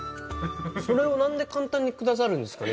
それをなんで簡単にくださるんですかね。